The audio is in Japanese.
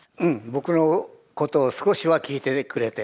僕のことを少しは聴いててくれて。